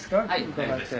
伺って。